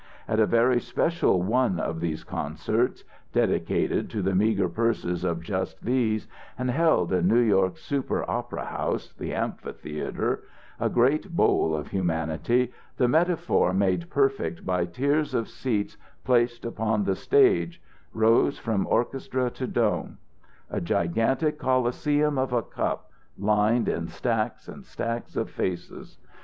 At a very special one of these concerts, dedicated to the meager purses of just these, and held in New York's super opera house, the Amphitheater, a great bowl of humanity, the metaphor made perfect by tiers of seats placed upon the stage, rose from orchestra to dome. A gigantic Colosseum of a cup, lined in stacks and stacks of faces.